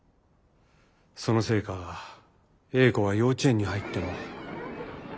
そのせいか英子は幼稚園に入っても。